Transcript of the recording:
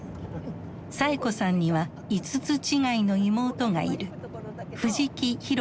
サエ子さんには５つ違いの妹がいる。